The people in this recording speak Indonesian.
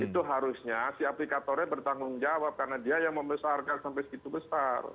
itu harusnya si aplikatornya bertanggung jawab karena dia yang membesarkan sampai segitu besar